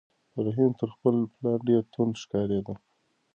رحیم تر خپل پلار ډېر توند ښکارېده.